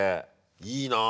いいなぁ。